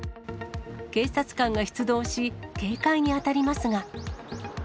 警察官が出動し、警戒に当たりますが。